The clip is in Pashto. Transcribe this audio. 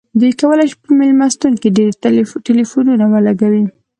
دوی کولی شي په میلمستون کې ډیر ټیلیفونونه ولګوي